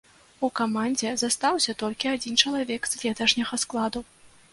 У камандзе застаўся толькі адзін чалавек з леташняга складу.